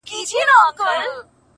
نو نن ـ